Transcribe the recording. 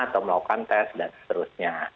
atau melakukan tes dan seterusnya